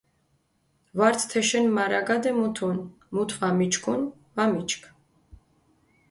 ვართ თეშენ მარაგადე მუთუნ, მუთ ვამიჩქუნ, ვამიჩქ.